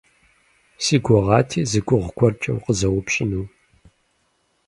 Си гугъати зы гугъу гуэркӀэ укъызэупщӀыну.